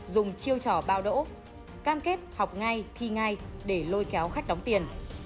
dùng chiêu trò bao đỗ cam kết học ngay thi ngay để lôi kéo khách đóng tiền